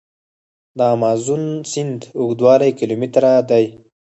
د مازون سیند اوږدوالی کیلومتره دی.